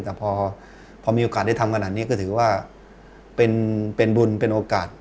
แต่พอมีโอกาสได้ทำขนาดนี้ก็ถือว่าเป็นบุญเป็นโอกาส